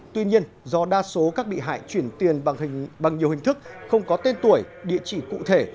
tuy nhiên do đa số các bị hại chuyển tiền bằng nhiều hình thức không có tên tuổi địa chỉ cụ thể